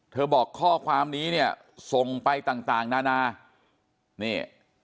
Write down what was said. บอกข้อความนี้เนี่ยส่งไปต่างต่างนานานี่